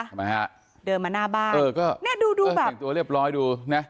ทำไมฮะเดินมาหน้าบ้านเออก็เนี่ยดูดูแบบแต่งตัวเรียบร้อยดูนะ